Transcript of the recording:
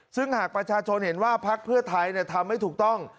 ซึ่งหากประชาชนเห็นว่าพักเพื่อไทยทำไม่ถูกต้อง